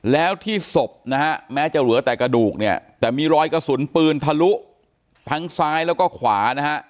แล้วที่ศพนะฮะแม้จะเหลือแต่กระดูกเนี่ยแต่มีรอยกระสุนปืนทะลุทั้งซ้ายแล้วก็ขวานะฮะ